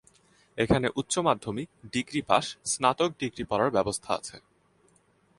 এখানে উচ্চ মাধ্যমিক, ডিগ্রি পাশ, স্নাতক ডিগ্রি পড়ার ব্যবস্থা আছে।